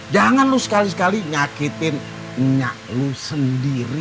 jangan lu sekali kali nyakitin minyak lu sendiri